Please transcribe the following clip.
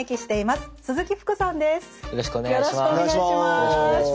よろしくお願いします。